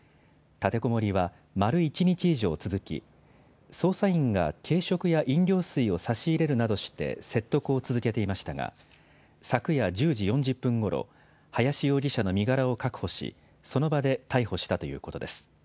立てこもりは丸１日以上続き、捜査員が軽食や飲料水を差し入れるなどして、説得を続けていましたが、昨夜１０時４０分ごろ、林容疑者の身柄を確保し、その場で逮捕したということです。